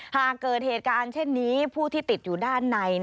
หากเกิดเหตุการณ์เช่นนี้ผู้ที่ติดอยู่ด้านใน